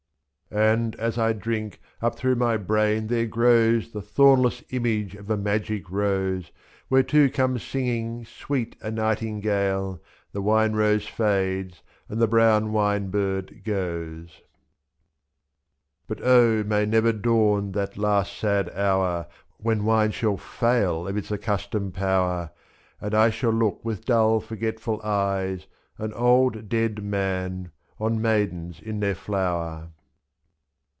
And, as I drink, up through my brain there grows The thornless image of a magic rose, ^s/. Whereto comes singing sweet a nightingale — The wine rose fades, and the brown wine bird goes. 91 But O may never dawn that last sad hour When wine shall fail of its accustomed power, tii'And I shall look with dull forgetful eyes. An old dead man, on maidens in their flower.